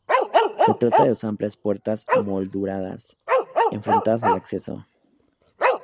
Se trata de dos amplias puertas molduradas, enfrentadas al acceso.